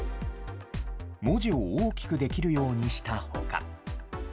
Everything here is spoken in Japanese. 文字を大きくできるようにしたほか。